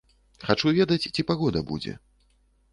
Хачу ведаць, ці пагода будзе.